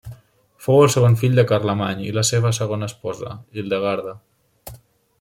Fou el segon fill de Carlemany i la seva segona esposa, Hildegarda.